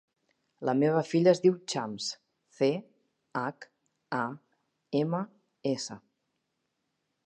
La meva filla es diu Chams: ce, hac, a, ema, essa.